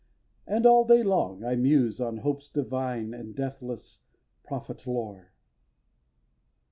and all day long I muse On hope's divine and deathless prophet lore.